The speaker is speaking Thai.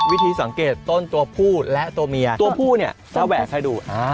วิธีสังเกตต้นตัวผู้และตัวเมียตัวผู้เนี่ยจะแหวกให้ดู